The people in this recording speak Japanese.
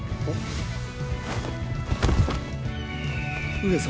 上様！